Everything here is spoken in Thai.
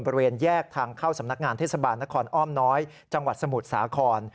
บริเวณแยกทางเข้าสำนักงานเทศบาลนครอ้อมน้อยจังหวัดสมุทรสาคร